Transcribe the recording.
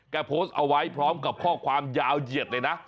โพสต์เอาไว้พร้อมกับข้อความยาวเหยียดเลยนะ